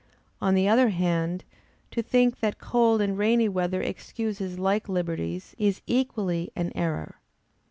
On the other hand, to think that cold and rainy weather excuses like liberties, is equally an error.